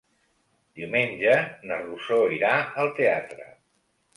Diumenge na Rosó irà al teatre.